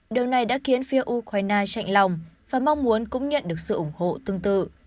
điều này đã khiến phía ukraine chạy lòng và mong muốn cũng nhận được sự ủng hộ tương tự